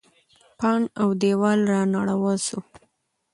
پاڼ او دیوال رانړاوه سو.